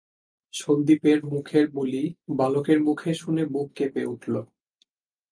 সন্দীপের মুখের বুলি বালকের মুখে শুনে বুক কেঁপে উঠল।